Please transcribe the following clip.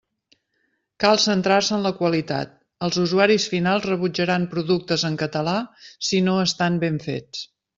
Cal centrar-se en la qualitat: els usuaris finals rebutjaran productes en català si no estan ben fets.